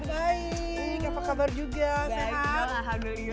baik apa kabar juga sehat alhamdulillah